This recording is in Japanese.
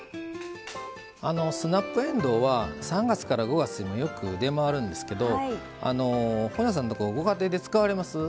スナップえんどうは３月から５月によく出回るんですけど本上さん、ご家庭で使われますか？